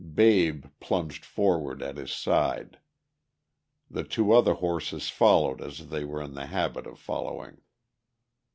Babe plunged forward at his side; the two other horses followed as they were in the habit of following.